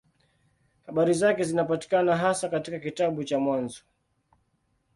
Habari zake zinapatikana hasa katika kitabu cha Mwanzo.